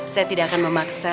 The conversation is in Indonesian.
saya tidak akan memaksa